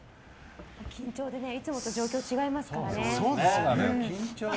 緊張でいつもと状況違いますからね。